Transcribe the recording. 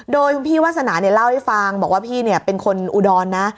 โดยคุณพี่วาสนาเล่าให้ฟังบอกว่าพี่เป็นคนอุดรนะ